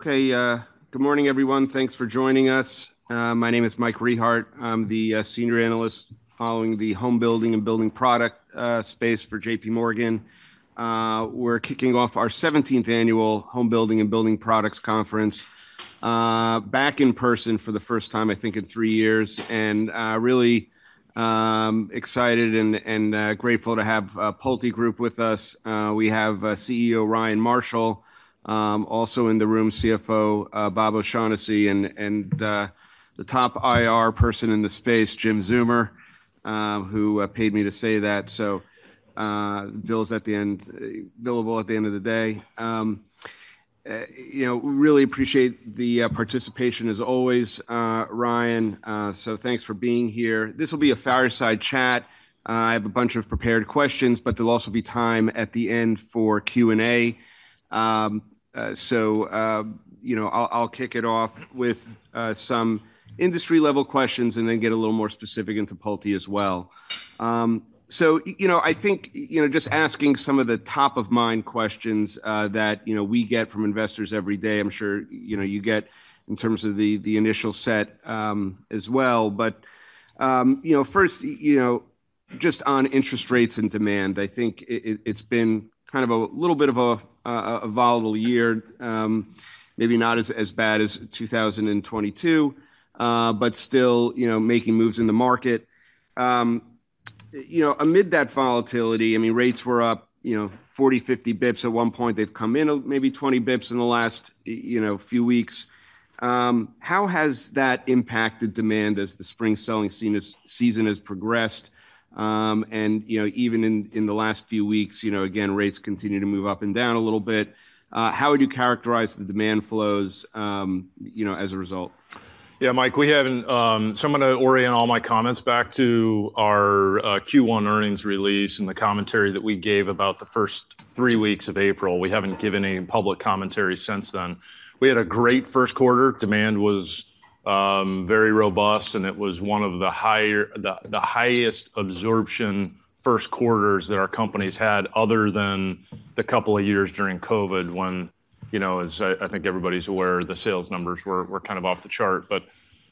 Okay, good morning everyone. Thanks for joining us. My name is Mike Rehaut. I'm the senior analyst following the homebuilding and building products space for J.P. Morgan. We're kicking off our 17th Annual Homebuilding and Building Products Conference, back in person for the first time, I think, in three years, and really excited and grateful to have PulteGroup with us. We have CEO Ryan Marshall also in the room, CFO Bob O'Shaughnessy, and the top IR person in the space, Jim Zeumer, who paid me to say that. So, bills at the end, billable at the end of the day. You know, really appreciate the participation as always. Ryan, so thanks for being here. This will be a fireside chat. I have a bunch of prepared questions, but there'll be time at the end for Q and A. So, you know, I'll kick it off with some industry-level questions and then get a little more specific into Pulte as well. So, you know, I think, you know, just asking some of the top-of-mind questions that, you know, we get from investors every day, I'm sure, you know, you get in terms of the initial set as well. But, you know, first, you know, just on interest rates and demand, I think it's been kind of a little bit of a volatile year, maybe not as bad as 2022, but still, you know, making moves in the market. You know, amid that volatility, I mean, rates were up, you know, 40, 50 basis points at one point. They've come in, maybe 20 basis points in the last, you know, few weeks. How has that impacted demand as the spring selling season has progressed? you know, even in the last few weeks, you know, again, rates continue to move up and down a little bit. How would you characterize the demand flows, you know, as a result? Yeah, Mike, we haven't, so I'm gonna orient all my comments back to our Q1 earnings release and the commentary that we gave about the first three weeks of April. We haven't given any public commentary since then. We had a great first quarter. Demand was very robust, and it was the highest absorption first quarter that our company had other than the couple of years during COVID when, you know, as I think everybody's aware, the sales numbers were kind of off the chart. But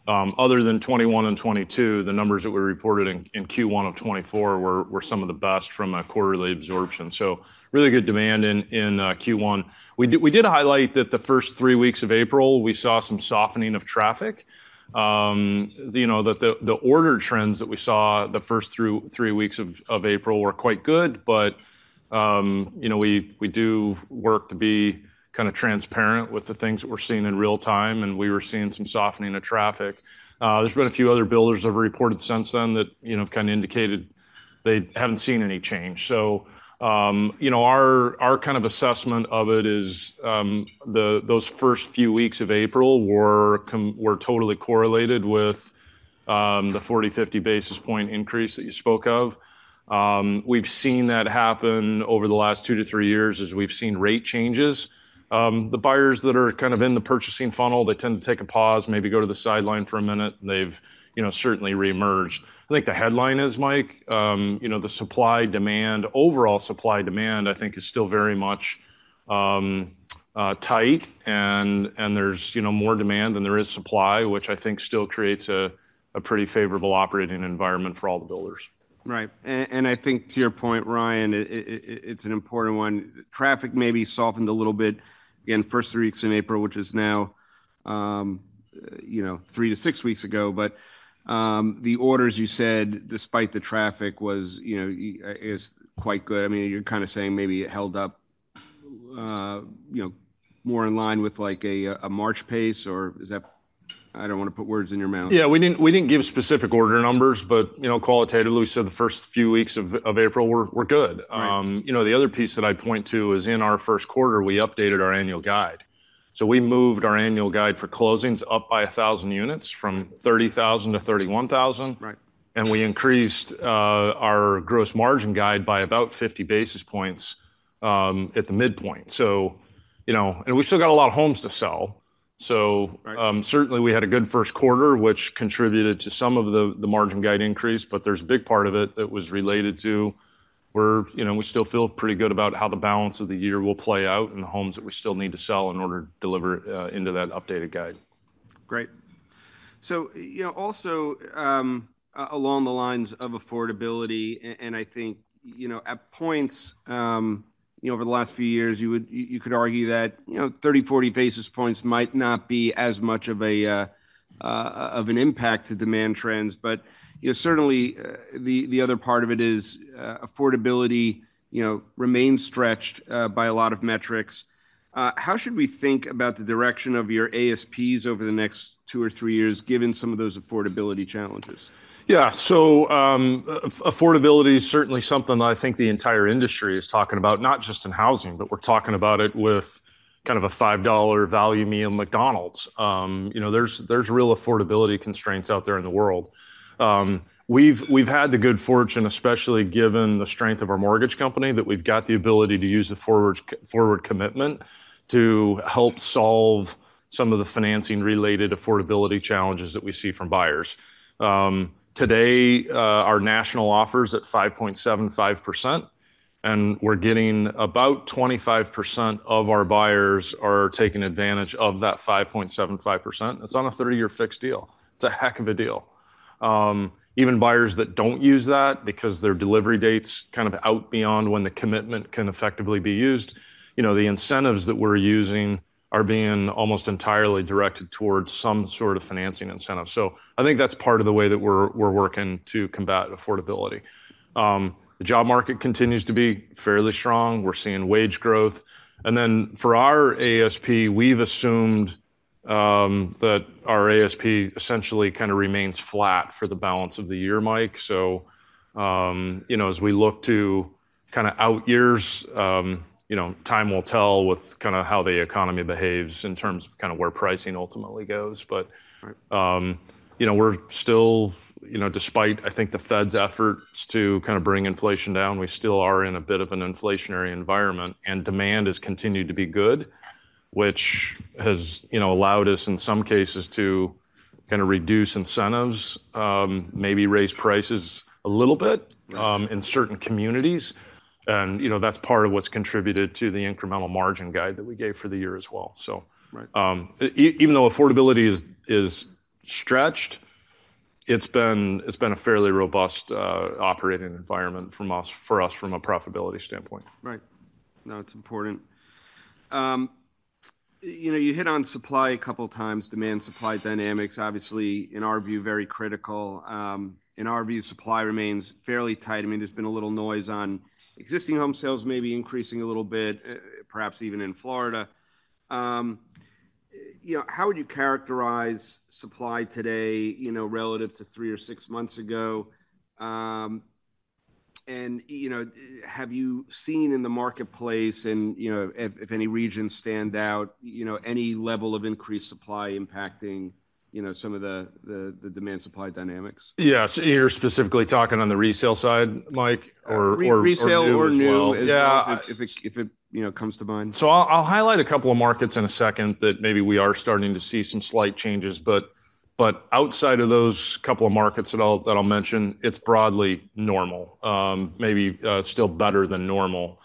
other than 2021 and 2022, the numbers that we reported in Q1 of 2024 were some of the best from a quarterly absorption. So really good demand in Q1. We did highlight that the first three weeks of April, we saw some softening of traffic. You know that the order trends that we saw the first three weeks of April were quite good. But you know, we do work to be kind of transparent with the things that we're seeing in real time, and we were seeing some softening of traffic. There's been a few other builders that have reported since then that, you know, have kind of indicated they haven't seen any change. So you know, our kind of assessment of it is, those first few weeks of April were totally correlated with the 40-50 basis point increase that you spoke of. We've seen that happen over the last two to three years as we've seen rate changes. The buyers that are kind of in the purchasing funnel, they tend to take a pause, maybe go to the sideline for a minute, and they've, you know, certainly reemerged. I think the headline is, Mike, you know, the supply demand, overall supply demand, I think, is still very much, tight. And there's, you know, more demand than there is supply, which I think still creates a, a pretty favorable operating environment for all the builders. Right. And I think to your point, Ryan, it's an important one. Traffic maybe softened a little bit, again, first three weeks in April, which is now, you know, three to six weeks ago. But, the orders, you said, despite the traffic, was, you know, is quite good. I mean, you're kind of saying maybe it held up, you know, more in line with, like, a March pace, or is that I don't wanna put words in your mouth. Yeah, we didn't give specific order numbers, but, you know, qualitatively, we said the first few weeks of April were good. Right. You know, the other piece that I point to is in our first quarter, we updated our annual guide. We moved our annual guide for closings up by 1,000 units from 30,000 to 31,000. Right. We increased our gross margin guide by about 50 basis points at the midpoint. So, you know, and we still got a lot of homes to sell. So, certainly, we had a good first quarter, which contributed to some of the margin guide increase. But there's a big part of it that was related to we're, you know, we still feel pretty good about how the balance of the year will play out and the homes that we still need to sell in order to deliver into that updated guide. Great. So, you know, also, along the lines of affordability, and I think, you know, at points, you know, over the last few years, you would you could argue that, you know, 30, 40 basis points might not be as much of a, of an impact to demand trends. But, you know, certainly, the other part of it is, affordability, you know, remains stretched, by a lot of metrics. How should we think about the direction of your ASPs over the next two or three years given some of those affordability challenges? Yeah, so, affordability is certainly something that I think the entire industry is talking about, not just in housing, but we're talking about it with kind of a $5 value meal McDonald's. You know, there's real affordability constraints out there in the world. We've had the good fortune, especially given the strength of our mortgage company, that we've got the ability to use the forward commitment to help solve some of the financing-related affordability challenges that we see from buyers. Today, our national offers at 5.75%, and we're getting about 25% of our buyers are taking advantage of that 5.75%. It's on a 30-year fixed deal. It's a heck of a deal. Even buyers that don't use that because their delivery dates kind of out beyond when the commitment can effectively be used, you know, the incentives that we're using are being almost entirely directed towards some sort of financing incentive. So I think that's part of the way that we're, we're working to combat affordability. The job market continues to be fairly strong. We're seeing wage growth. And then for our ASP, we've assumed that our ASP essentially kind of remains flat for the balance of the year, Mike. So, you know, as we look to kind of out years, you know, time will tell with kind of how the economy behaves in terms of kind of where pricing ultimately goes. But, you know, we're still, you know, despite, I think, the Fed's efforts to kind of bring inflation down, we still are in a bit of an inflationary environment. And demand has continued to be good, which has, you know, allowed us in some cases to kind of reduce incentives, maybe raise prices a little bit, in certain communities. And, you know, that's part of what's contributed to the incremental margin guide that we gave for the year as well. So, even though affordability is stretched, it's been a fairly robust operating environment for us from a profitability standpoint. Right. No, it's important. You know, you hit on supply a couple of times, demand supply dynamics, obviously, in our view, very critical. In our view, supply remains fairly tight. I mean, there's been a little noise on existing home sales maybe increasing a little bit, perhaps even in Florida. You know, how would you characterize supply today, you know, relative to three or six months ago? And, you know, have you seen in the marketplace, and, you know, if any regions stand out, you know, any level of increased supply impacting, you know, some of the demand supply dynamics? Yeah, so you're specifically talking on the resale side, Mike, or, or, or resale as well? Re, resale or new, yeah, if it, you know, comes to mind. So I'll highlight a couple of markets in a second that maybe we are starting to see some slight changes. But outside of those couple of markets that I'll mention, it's broadly normal, maybe, still better than normal.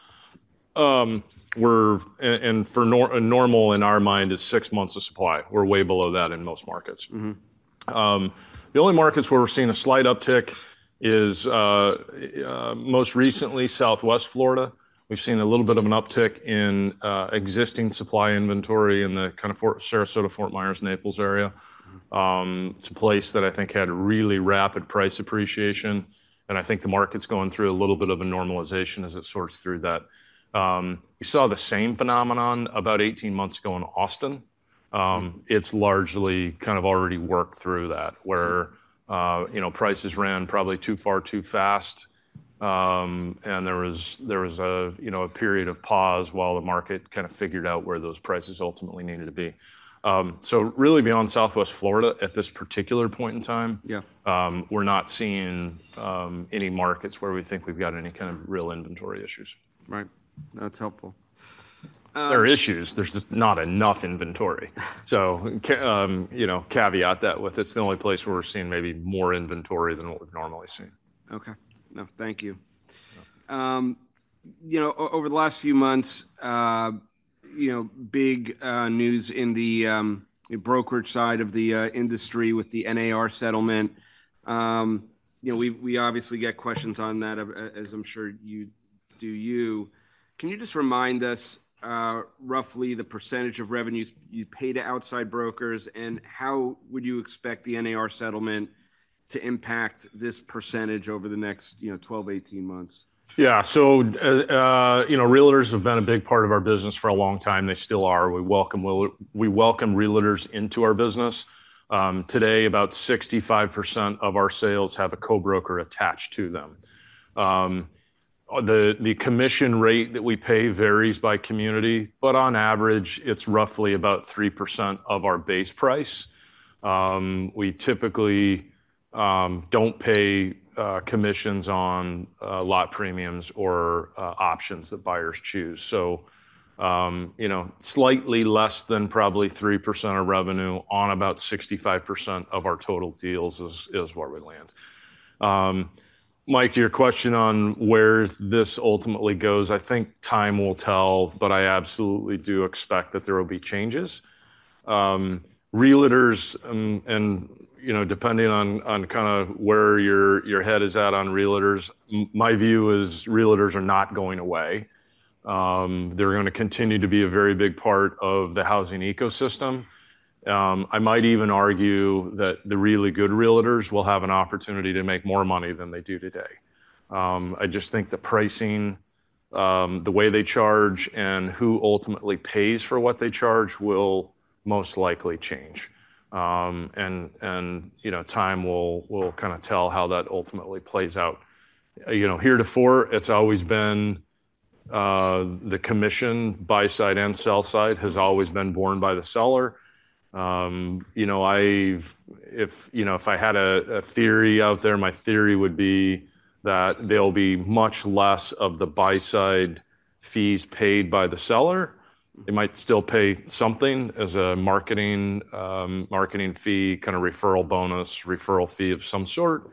We're, and normal in our mind is six months of supply. We're way below that in most markets. Mm-hmm. The only markets where we're seeing a slight uptick is, most recently, Southwest Florida. We've seen a little bit of an uptick in existing supply inventory in the kind of Sarasota, Fort Myers, Naples area. It's a place that I think had really rapid price appreciation. And I think the market's going through a little bit of a normalization as it sorts through that. We saw the same phenomenon about 18 months ago in Austin. It's largely kind of already worked through that where, you know, prices ran probably too far, too fast. And there was a, you know, a period of pause while the market kind of figured out where those prices ultimately needed to be. So really beyond Southwest Florida at this particular point in time, we're not seeing any markets where we think we've got any kind of real inventory issues. Right. That's helpful. There are issues. There's just not enough inventory. So, you know, caveat that with, it's the only place where we're seeing maybe more inventory than what we've normally seen. Okay. No, thank you. You know, over the last few months, you know, big news in the, you know, brokerage side of the industry with the NAR settlement. You know, we, we obviously get questions on that, as I'm sure you do, you. Can you just remind us, roughly the percentage of revenues you pay to outside brokers, and how would you expect the NAR settlement to impact this percentage over the next, you know, 12, 18 months? Yeah, so, you know, Realtors have been a big part of our business for a long time. They still are. We welcome Realtors into our business. Today, about 65% of our sales have a co-broker attached to them. The commission rate that we pay varies by community, but on average, it's roughly about 3% of our base price. We typically don't pay commissions on lot premiums or options that buyers choose. So, you know, slightly less than probably 3% of revenue on about 65% of our total deals is where we land. Mike, your question on where this ultimately goes, I think time will tell, but I absolutely do expect that there will be changes. Realtors, and you know, depending on kind of where your head is at on Realtors, my view is Realtors are not going away. They're gonna continue to be a very big part of the housing ecosystem. I might even argue that the really good Realtors will have an opportunity to make more money than they do today. I just think the pricing, the way they charge and who ultimately pays for what they charge will most likely change. And, you know, time will kind of tell how that ultimately plays out. You know, heretofore, it's always been, the commission buy-side and sell-side has always been borne by the seller. You know, if I had a theory out there, my theory would be that there'll be much less of the buy-side fees paid by the seller. They might still pay something as a marketing fee, kind of referral bonus, referral fee of some sort.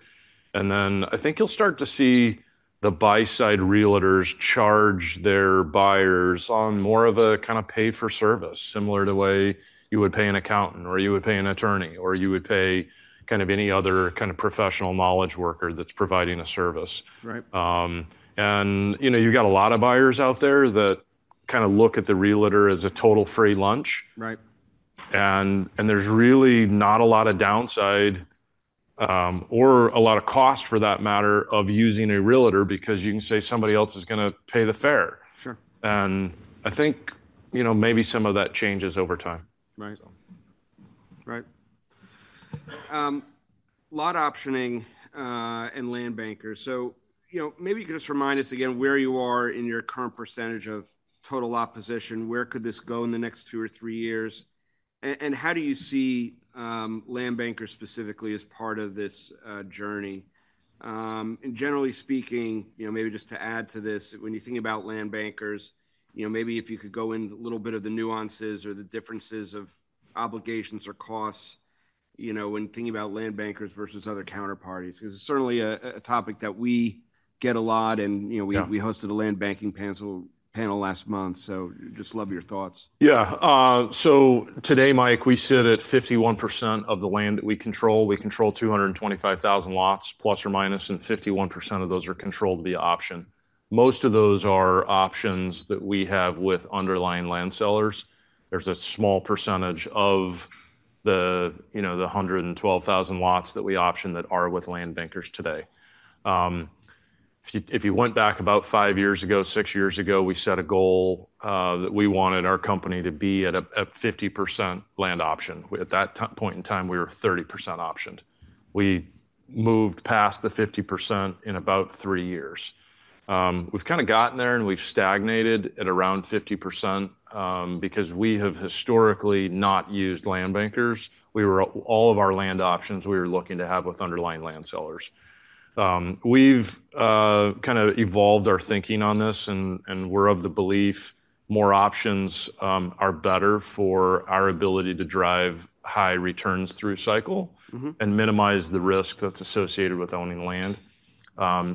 And then I think you'll start to see the buy-side Realtors charge their buyers on more of a kind of pay-for-service, similar to the way you would pay an accountant or you would pay an attorney or you would pay kind of any other kind of professional knowledge worker that's providing a service. Right. You know, you've got a lot of buyers out there that kind of look at the realtor as a total free lunch. Right. There's really not a lot of downside, or a lot of cost for that matter, of using a realtor because you can say somebody else is gonna pay the fee. Sure. I think, you know, maybe some of that changes over time. Right. Right. Lot optioning and land bankers. So, you know, maybe you could just remind us again where you are in your current percentage of total lot position. Where could this go in the next two or three years? And how do you see land bankers specifically as part of this journey? And generally speaking, you know, maybe just to add to this, when you think about land bankers, you know, maybe if you could go into a little bit of the nuances or the differences of obligations or costs, you know, when thinking about land bankers versus other counterparties 'cause it's certainly a topic that we get a lot. And, you know, we hosted a land banking panel last month. So just love your thoughts. Yeah. So today, Mike, we sit at 51% of the land that we control. We control 225,000 lots plus or minus, and 51% of those are controlled via option. Most of those are options that we have with underlying land sellers. There's a small percentage of the, you know, the 112,000 lots that we option that are with land bankers today. If you went back about five years ago, six years ago, we set a goal, that we wanted our company to be at a 50% land option. At that point in time, we were 30% optioned. We moved past the 50% in about three years. We've kind of gotten there, and we've stagnated at around 50%, because we have historically not used land bankers. We were all of our land options, we were looking to have with underlying land sellers. We've kind of evolved our thinking on this, and we're of the belief more options are better for our ability to drive high returns through cycle and minimize the risk that's associated with owning land.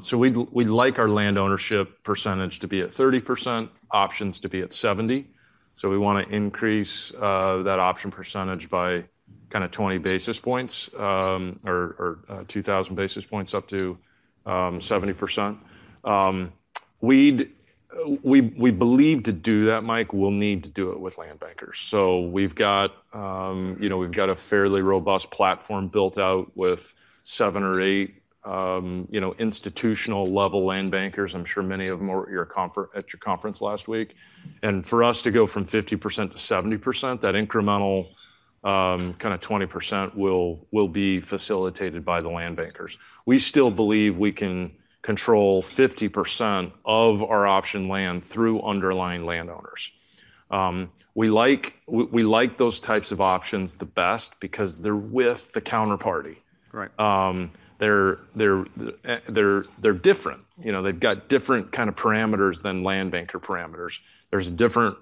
So we'd like our land ownership percentage to be at 30%, options to be at 70%. So we wanna increase that option percentage by kind of 20 basis points, or 2,000 basis points up to 70%. We believe to do that, Mike, we'll need to do it with land bankers. So we've got, you know, we've got a fairly robust platform built out with seven or eight, you know, institutional-level land bankers. I'm sure many of them were at your conference last week. And for us to go from 50% to 70%, that incremental kind of 20% will be facilitated by the land bankers. We still believe we can control 50% of our option land through underlying land owners. We like those types of options the best because they're with the counterparty. Right. They're different. You know, they've got different kind of parameters than land banker parameters. There's a different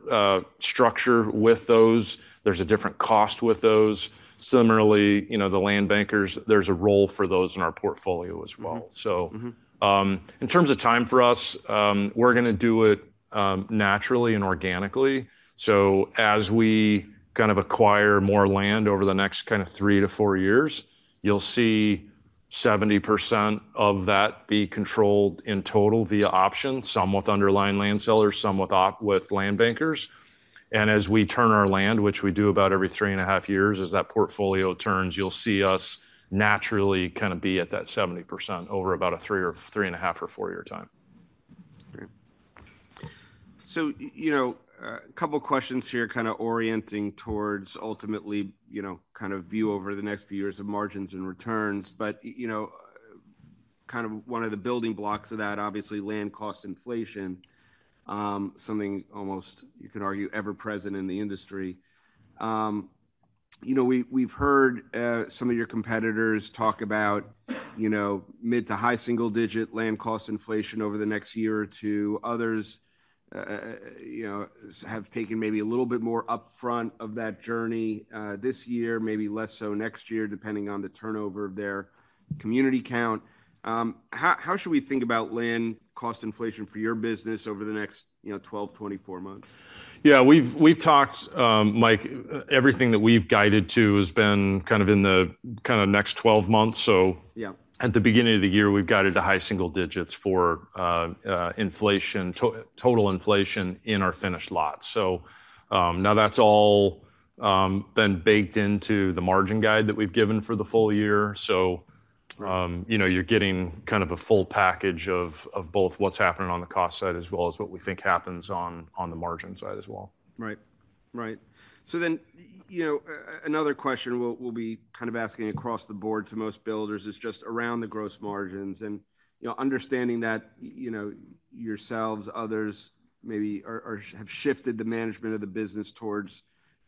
structure with those. There's a different cost with those. Similarly, you know, the land bankers, there's a role for those in our portfolio as well. So, in terms of time for us, we're gonna do it naturally and organically. So as we kind of acquire more land over the next kind of three to four years, you'll see 70% of that be controlled in total via option, some with underlying land sellers, some with option with land bankers. And as we turn our land, which we do about every three and a half years as that portfolio turns, you'll see us naturally kind of be at that 70% over about a three or three and a half or four-year time. Great. So, you know, a couple of questions here kind of orienting towards ultimately, you know, kind of view over the next few years of margins and returns. But, you know, kind of one of the building blocks of that, obviously, land cost inflation, something almost you can argue ever-present in the industry. You know, we've heard some of your competitors talk about, you know, mid- to high single-digit land cost inflation over the next year or two. Others, you know, have taken maybe a little bit more upfront of that journey, this year, maybe less so next year, depending on the turnover of their community count. How should we think about land cost inflation for your business over the next, you know, 12-24 months? Yeah, we've talked, Mike. Everything that we've guided to has been kind of in the next 12 months. So, yeah, at the beginning of the year, we've guided to high single digits for inflation to total inflation in our finished lots. So, now that's all been baked into the margin guide that we've given for the full year. So, you know, you're getting kind of a full package of both what's happening on the cost side as well as what we think happens on the margin side as well. Right. Right. So then, you know, another question we'll be kind of asking across the board to most builders is just around the gross margins and, you know, understanding that, you know, yourselves, others maybe have shifted the management of the business towards,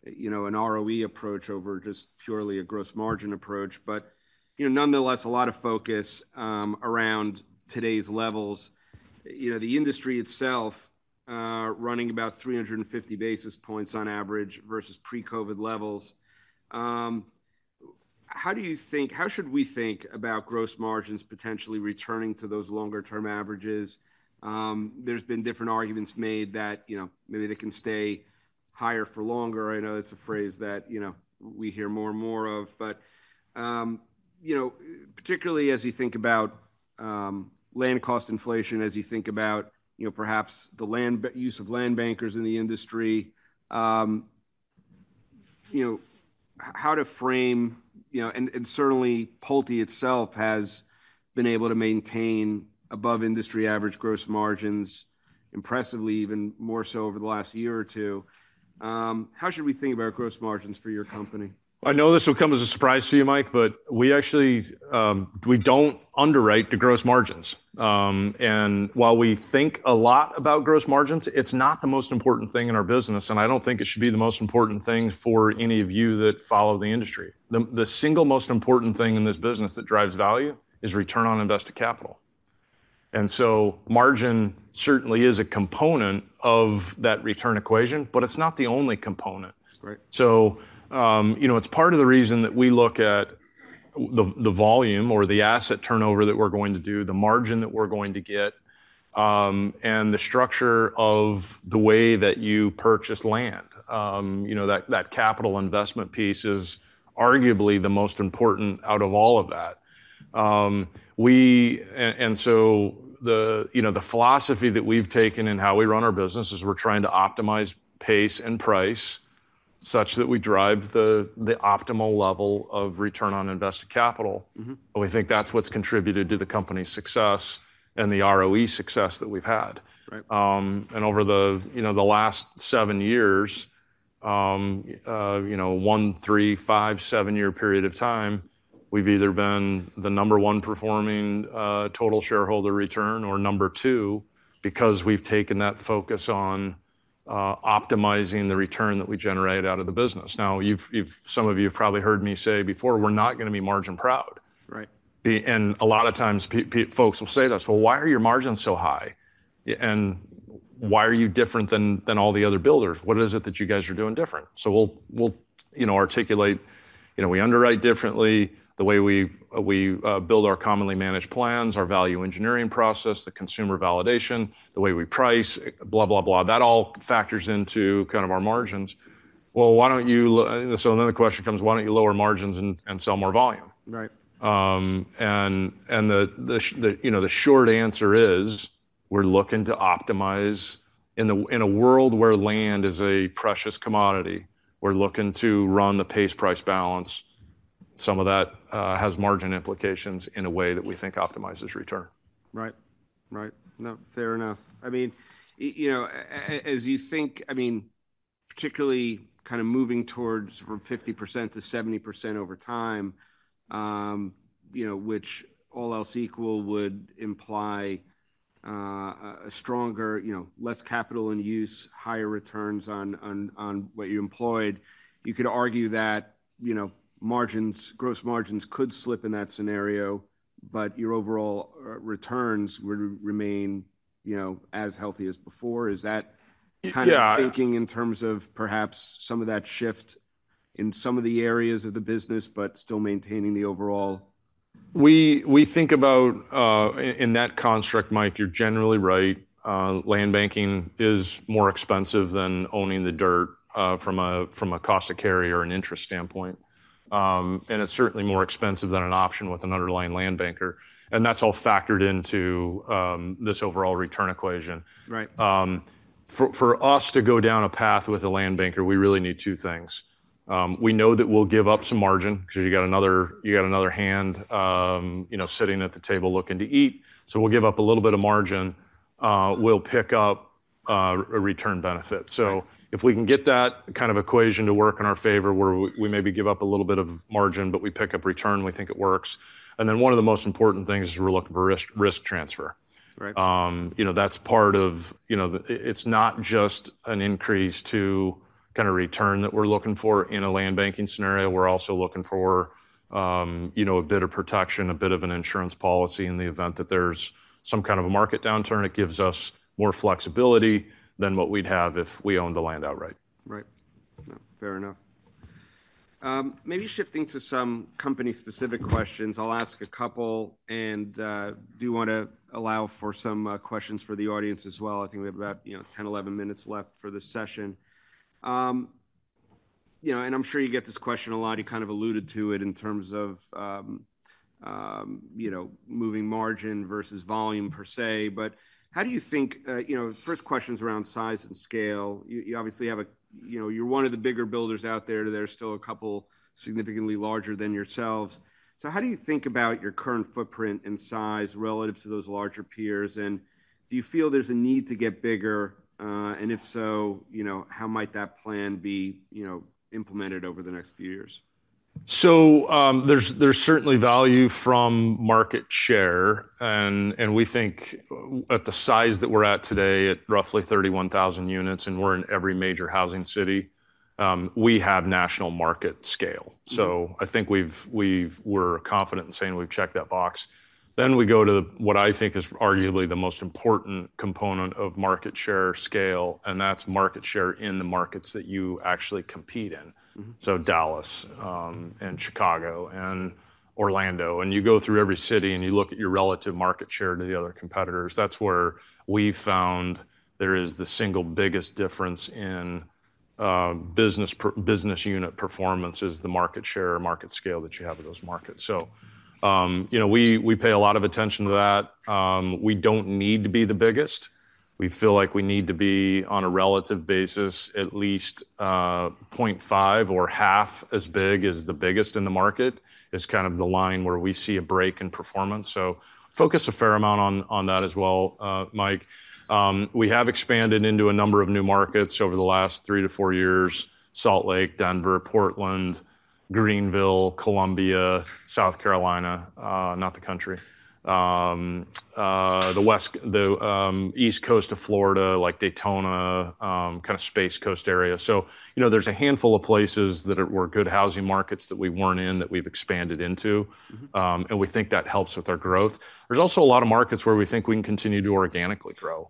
you know, an ROE approach over just purely a gross margin approach. But, you know, nonetheless, a lot of focus around today's levels, you know, the industry itself running about 350 basis points on average versus pre-COVID levels. How do you think, how should we think about gross margins potentially returning to those longer-term averages? There's been different arguments made that, you know, maybe they can stay higher for longer. I know it's a phrase that, you know, we hear more and more of. But, you know, particularly as you think about land cost inflation, as you think about, you know, perhaps the land use of land bankers in the industry, you know, how to frame, you know, and, and certainly Pulte itself has been able to maintain above-industry average gross margins impressively, even more so over the last year or two, how should we think about gross margins for your company? I know this will come as a surprise to you, Mike, but we actually, we don't underwrite the gross margins. And while we think a lot about gross margins, it's not the most important thing in our business. And I don't think it should be the most important thing for any of you that follow the industry. The single most important thing in this business that drives value is return on invested capital. And so margin certainly is a component of that return equation, but it's not the only component. Right. So, you know, it's part of the reason that we look at the volume or the asset turnover that we're going to do, the margin that we're going to get, and the structure of the way that you purchase land. You know, that capital investment piece is arguably the most important out of all of that. And so the philosophy that we've taken in how we run our business is we're trying to optimize pace and price such that we drive the optimal level of return on invested capital. And we think that's what's contributed to the company's success and the ROE success that we've had. Right. And over the, you know, the last 7 years, you know, 1-, 3-, 5-, 7-year period of time, we've either been the number 1 performing total shareholder return or number 2 because we've taken that focus on optimizing the return that we generate out of the business. Now, some of you have probably heard me say before, we're not gonna be margin proud. Right. And a lot of times, people will say to us, "Well, why are your margins so high? And why are you different than all the other builders? What is it that you guys are doing different?" So we'll, you know, articulate, you know, we underwrite differently, the way we build our commonly managed plans, our value engineering process, the consumer validation, the way we price, blah, blah, blah. That all factors into kind of our margins. Well, why don't you lower? So then the question comes, why don't you lower margins and sell more volume? Right. You know, the short answer is we're looking to optimize in a world where land is a precious commodity. We're looking to run the pace-price balance. Some of that has margin implications in a way that we think optimizes return. Right. Right. No, fair enough. I mean, you know, as you think, I mean, particularly kind of moving towards from 50%-70% over time, you know, which all else equal would imply a stronger, you know, less capital in use, higher returns on, on, on what you employed. You could argue that, you know, margins, gross margins could slip in that scenario, but your overall returns would remain, you know, as healthy as before. Is that kind of thinking in terms of perhaps some of that shift in some of the areas of the business but still maintaining the overall? We think about, in that construct, Mike, you're generally right. Land banking is more expensive than owning the dirt, from a cost of carry or an interest standpoint. It's certainly more expensive than an option with an underlying land banker. That's all factored into this overall return equation. Right. For us to go down a path with a land banker, we really need two things. We know that we'll give up some margin 'cause you got another hand, you know, sitting at the table looking to eat. So we'll give up a little bit of margin. We'll pick up a return benefit. So if we can get that kind of equation to work in our favor where we maybe give up a little bit of margin, but we pick up return, we think it works. And then one of the most important things is we're looking for risk transfer. Right. You know, that's part of, you know, the it's not just an increase to kind of return that we're looking for in a land banking scenario. We're also looking for, you know, a bit of protection, a bit of an insurance policy in the event that there's some kind of a market downturn. It gives us more flexibility than what we'd have if we owned the land outright. Right. No, fair enough. Maybe shifting to some company-specific questions. I'll ask a couple and do wanna allow for some questions for the audience as well. I think we have about, you know, 10, 11 minutes left for this session. You know, and I'm sure you get this question a lot. You kind of alluded to it in terms of, you know, moving margin versus volume per se. But how do you think, you know, first questions around size and scale. You, you obviously have a you know, you're one of the bigger builders out there. There's still a couple significantly larger than yourselves. So how do you think about your current footprint and size relative to those larger peers? And do you feel there's a need to get bigger? And if so, you know, how might that plan be, you know, implemented over the next few years? So, there's certainly value from market share. And we think at the size that we're at today at roughly 31,000 units and we're in every major housing city, we have national market scale. So I think we're confident in saying we've checked that box. Then we go to the what I think is arguably the most important component of market share scale, and that's market share in the markets that you actually compete in. So Dallas, Chicago and Orlando. And you go through every city and you look at your relative market share to the other competitors. That's where we found there is the single biggest difference in business per business unit performance is the market share or market scale that you have in those markets. So, you know, we pay a lot of attention to that. We don't need to be the biggest. We feel like we need to be on a relative basis, at least, 0.5 or half as big as the biggest in the market is kind of the line where we see a break in performance. So focus a fair amount on that as well, Mike. We have expanded into a number of new markets over the last 3 to 4 years: Salt Lake, Denver, Portland, Greenville, Columbia, South Carolina, not the country. The West, the East Coast of Florida, like Daytona, kind of Space Coast area. So, you know, there's a handful of places that were good housing markets that we weren't in that we've expanded into, and we think that helps with our growth. There's also a lot of markets where we think we can continue to organically grow.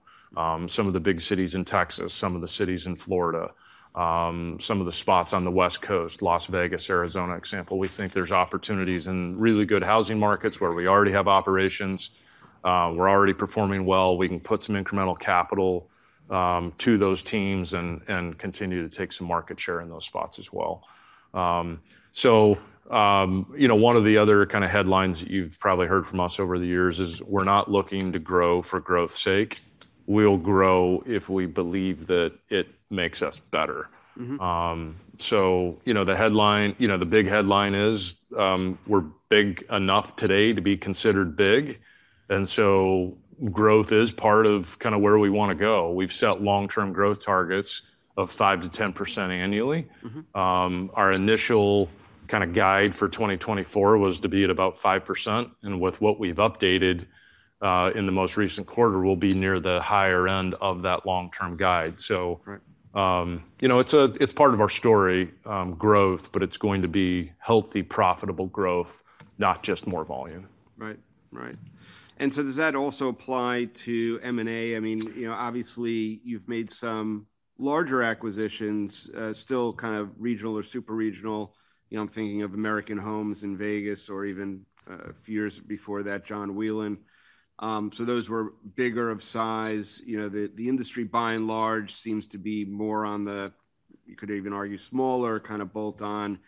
Some of the big cities in Texas, some of the cities in Florida, some of the spots on the West Coast, Las Vegas, Arizona example. We think there's opportunities in really good housing markets where we already have operations. We're already performing well. We can put some incremental capital to those teams and continue to take some market share in those spots as well. So, you know, one of the other kind of headlines that you've probably heard from us over the years is we're not looking to grow for growth's sake. We'll grow if we believe that it makes us better. So, you know, the headline you know, the big headline is, we're big enough today to be considered big. So growth is part of kind of where we wanna go. We've set long-term growth targets of 5%-10% annually. Our initial kind of guide for 2024 was to be at about 5%. With what we've updated, in the most recent quarter, we'll be near the higher end of that long-term guide. You know, it's a part of our story, growth, but it's going to be healthy, profitable growth, not just more volume. Right. Right. And so does that also apply to M&A? I mean, you know, obviously you've made some larger acquisitions, still kind of regional or super regional. You know, I'm thinking of American West Homes in Vegas or even a few years before that, John Wieland. So those were bigger of size. You know, the industry by and large seems to be more on the, you could even argue, smaller kind of bolt-on.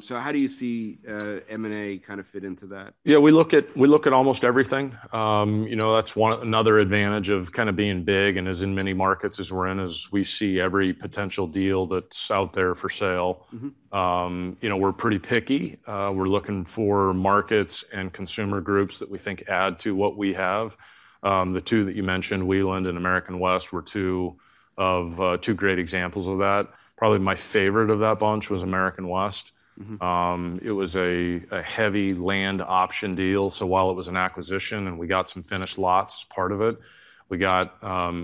So how do you see M&A kind of fit into that? Yeah, we look at almost everything. You know, that's another advantage of kind of being big and in as many markets as we're in, as we see every potential deal that's out there for sale. You know, we're pretty picky. We're looking for markets and consumer groups that we think add to what we have. The two that you mentioned, Wieland and American West, were two of two great examples of that. Probably my favorite of that bunch was American West. It was a heavy land option deal. So while it was an acquisition and we got some finished lots as part of it, we got,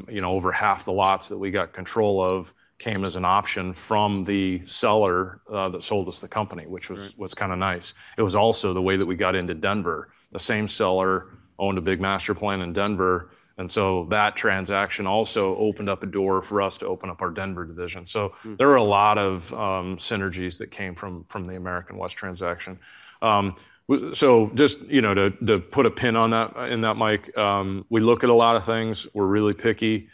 you know, over half the lots that we got control of came as an option from the seller that sold us the company, which was kind of nice. It was also the way that we got into Denver. The same seller owned a big master plan in Denver. And so that transaction also opened up a door for us to open up our Denver division. So there were a lot of synergies that came from the American West transaction. So just, you know, to put a pin on that in that, Mike, we look at a lot of things. We're really picky.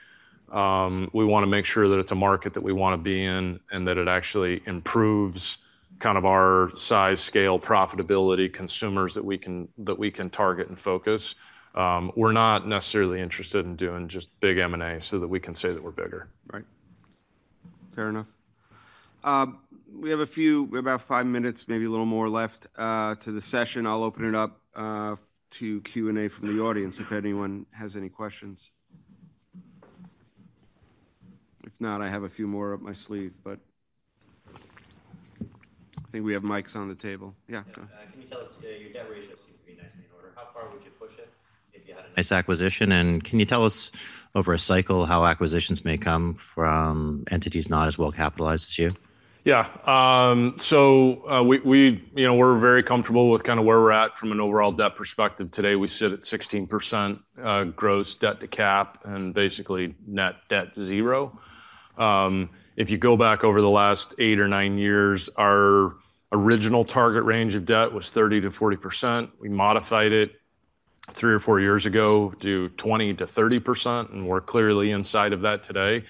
We wanna make sure that it's a market that we wanna be in and that it actually improves kind of our size, scale, profitability, consumers that we can target and focus. We're not necessarily interested in doing just big M&A so that we can say that we're bigger. Right. Fair enough. We have about five minutes, maybe a little more left to the session. I'll open it up to Q and A from the audience if anyone has any questions. If not, I have a few more up my sleeve, but I think we have mics on the table. Yeah, go. Yeah. Can you tell us, your debt ratio seems to be nicely in order. How far would you push it if you had a nice acquisition? Can you tell us over a cycle how acquisitions may come from entities not as well capitalized as you? Yeah. So, we, you know, we're very comfortable with kind of where we're at from an overall debt perspective today. We sit at 16%, gross debt to cap and basically net debt to zero. If you go back over the last eight or nine years, our original target range of debt was 30%-40%. We modified it three or four years ago to 20%-30%. And we're clearly inside of that today.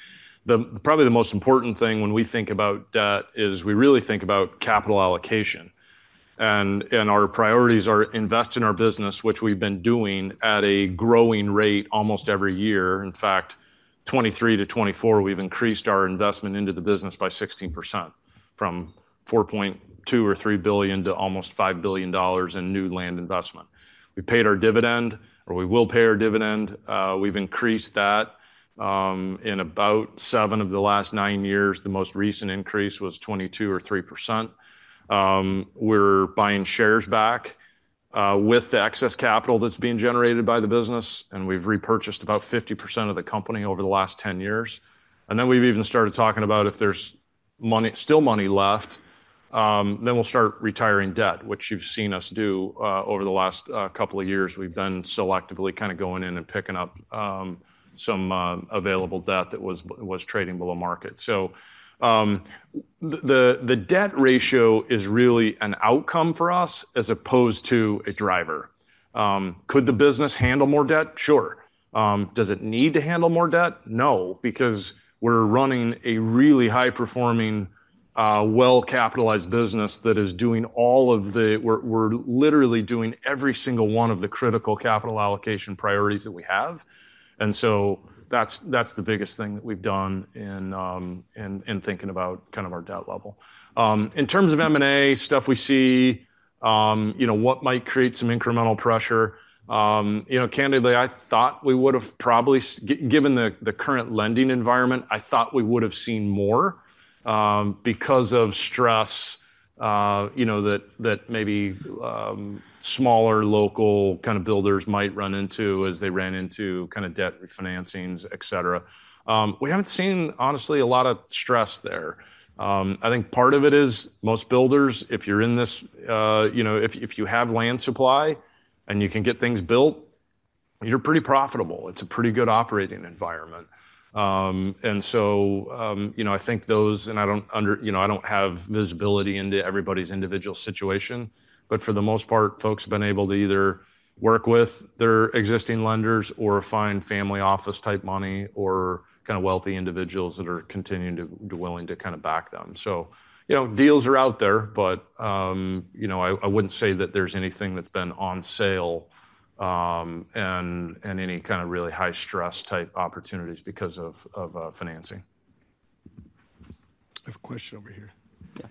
The probably the most important thing when we think about debt is we really think about capital allocation. And our priorities are invest in our business, which we've been doing at a growing rate almost every year. In fact, 2023 to 2024, we've increased our investment into the business by 16% from $4.2 billion or $3 billion to almost $5 billion in new land investment. We paid our dividend or we will pay our dividend. We've increased that, in about 7 of the last 9 years. The most recent increase was 22% or 3%. We're buying shares back, with the excess capital that's being generated by the business. And we've repurchased about 50% of the company over the last 10 years. And then we've even started talking about if there's money still left, then we'll start retiring debt, which you've seen us do, over the last couple of years. We've been selectively kind of going in and picking up some available debt that was trading below market. So, the debt ratio is really an outcome for us as opposed to a driver. Could the business handle more debt? Sure. Does it need to handle more debt? No, because we're running a really high-performing, well-capitalized business that is doing all of the we're, we're literally doing every single one of the critical capital allocation priorities that we have. And so that's, that's the biggest thing that we've done in, in, in thinking about kind of our debt level. In terms of M&A stuff we see, you know, what might create some incremental pressure. You know, candidly, I thought we would've probably given the, the current lending environment, I thought we would've seen more, because of stress, you know, that, that maybe, smaller local kind of builders might run into as they ran into kind of debt refinancings, et cetera. We haven't seen honestly a lot of stress there. I think part of it is most builders, if you're in this, you know, if, if you have land supply and you can get things built, you're pretty profitable. It's a pretty good operating environment. So, you know, I think those, and I don't, you know, I don't have visibility into everybody's individual situation, but for the most part, folks have been able to either work with their existing lenders or find family office type money or kind of wealthy individuals that are continuing to willing to kind of back them. So, you know, deals are out there, but, you know, I wouldn't say that there's anything that's been on sale, and any kind of really high-stress type opportunities because of financing. I have a question over here. Yeah.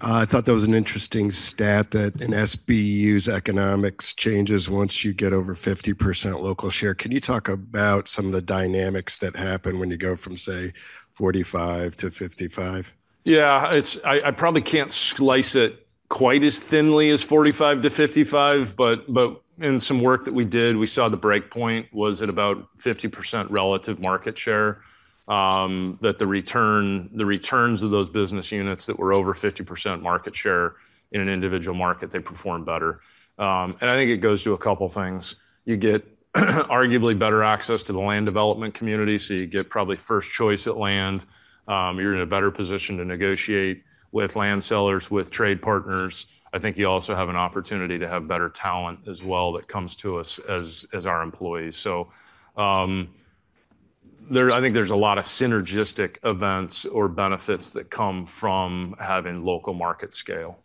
I thought that was an interesting stat that an SBU's economics changes once you get over 50% local share. Can you talk about some of the dynamics that happen when you go from, say, 45%-55%? Yeah. It's. I probably can't slice it quite as thinly as 45%-55%, but in some work that we did, we saw the breakpoint was at about 50% relative market share. That the returns of those business units that were over 50% market share in an individual market, they perform better. And I think it goes to a couple of things. You get arguably better access to the land development community. So you get probably first choice at land. You're in a better position to negotiate with land sellers, with trade partners. I think you also have an opportunity to have better talent as well that comes to us as our employees. So, there I think there's a lot of synergistic events or benefits that come from having local market scale.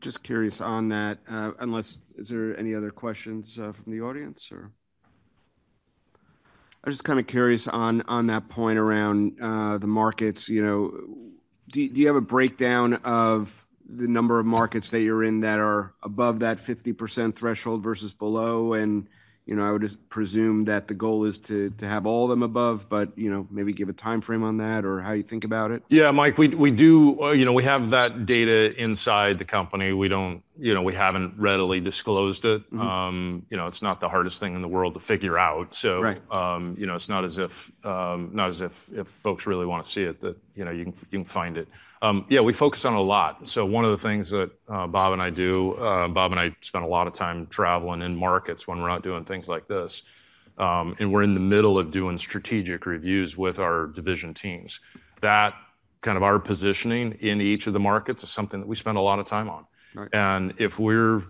Just curious on that, unless—is there any other questions from the audience? Or I'm just kind of curious on that point around the markets. You know, do you have a breakdown of the number of markets that you're in that are above that 50% threshold versus below? And, you know, I would just presume that the goal is to have all them above, but, you know, maybe give a timeframe on that or how you think about it. Yeah, Mike, we, we do, you know, we have that data inside the company. We don't, you know, we haven't readily disclosed it. You know, it's not the hardest thing in the world to figure out. So, you know, it's not as if, not as if, if folks really wanna see it that, you know, you can, you can find it. Yeah, we focus on a lot. So one of the things that, Bob and I do. Bob and I spend a lot of time traveling in markets when we're not doing things like this. And we're in the middle of doing strategic reviews with our division teams. That kind of our positioning in each of the markets is something that we spend a lot of time on. If we're,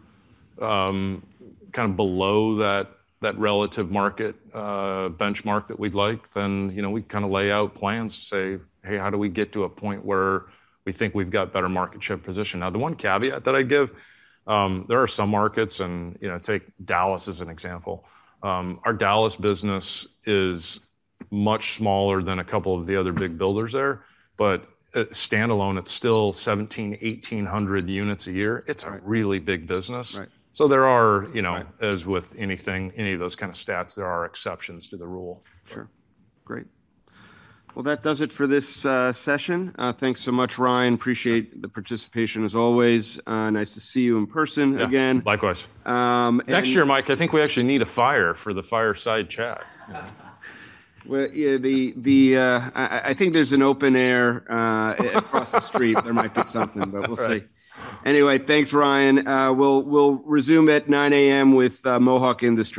kind of below that, that relative market, benchmark that we'd like, then, you know, we kind of lay out plans to say, hey, how do we get to a point where we think we've got better market share position? Now, the one caveat that I'd give there are some markets and, you know, take Dallas as an example. Our Dallas business is much smaller than a couple of the other big builders there, but standalone, it's still 1,700, 1,800 units a year. It's a really big business. So there are you know, as with anything, any of those kind of stats, there are exceptions to the rule. Sure. Great. Well, that does it for this session. Thanks so much, Ryan. Appreciate the participation as always. Nice to see you in person again. Yeah. Likewise. and. Next year, Mike, I think we actually need a fire for the fireside chat. Well, yeah, I think there's an open air across the street. There might be something, but we'll see. Anyway, thanks, Ryan. We'll resume at 9:00 A.M. with Mohawk Industries.